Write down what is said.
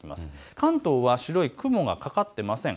関東は白い雲がかかっていません。